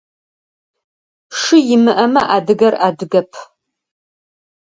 Шы имыӏэмэ адыг – адыгэп.